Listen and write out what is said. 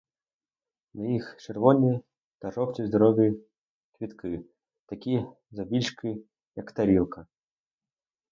На їх червоні та жовті здорові квітки, такі завбільшки, як тарілка.